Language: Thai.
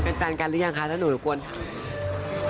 เป็นแฟนกันหรือยังคะถ้าหนูรบกวนถาม